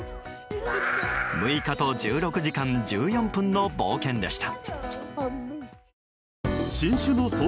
６日と１６時間１４分の冒険でした。